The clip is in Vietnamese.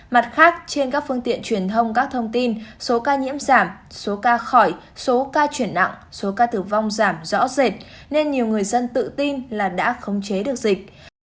mặt khác trên các phương tiện truyền thông các thông tin số ca nhiễm giảm số ca khỏi số ca chuyển nặng số ca tử vong giảm rõ rệt nên nhiều người dân tự tin là đã khống chế được dịch